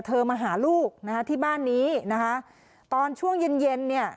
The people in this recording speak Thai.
มาหาลูกนะคะที่บ้านนี้นะคะตอนช่วงเย็นเย็นเนี่ย